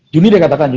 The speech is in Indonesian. juni deh katakan